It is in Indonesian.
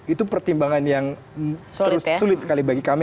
itu pertimbangan yang sulit sekali bagi kami